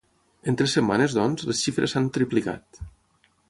En tres setmanes, doncs, les xifres s’han triplicat.